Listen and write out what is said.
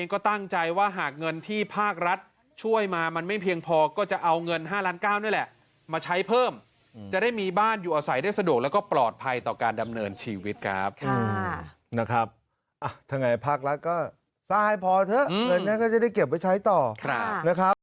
ก็จะเอาเงิน๕ล้านก้าวนี่แหละมาใช้เพิ่มจะได้มีบ้านอยู่อาศัยได้สะดวกแล้วก็ปลอดภัยต่อการดำเนินชีวิตครับนะครับถ้าไงพักแล้วก็ทรายพอเถอะเนี่ยก็จะได้เก็บไว้ใช้ต่อนะครับ